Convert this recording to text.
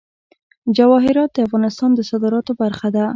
جواهرات د افغانستان د صادراتو برخه ده.